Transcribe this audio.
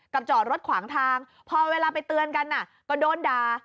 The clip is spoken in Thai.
จอดรถขวางทางพอเวลาไปเตือนกันก็โดนด่า